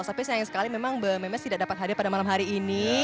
tapi sayang sekali memang memes tidak dapat hadir pada malam hari ini